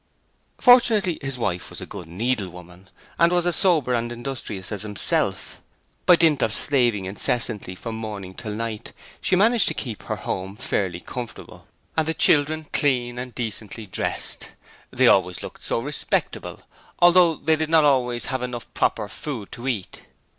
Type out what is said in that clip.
Fortunately his wife was a good needlewoman, and as sober and industrious as himself; by dint of slaving incessantly from morning till night she managed to keep her home fairly comfortable and the children clean and decently dressed; they always looked respectable, although they did not always have enough proper food to eat.